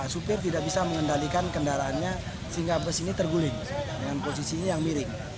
supir tidak bisa mengendalikan kendaraannya sehingga bus ini terguling dengan posisinya yang miring